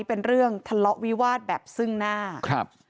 เป็นเรื่องทะเลาะวิวาสแบบซึ่งหน้าครับ